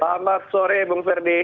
selamat sore bung ferdi